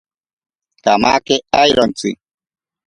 Kamake airontsi.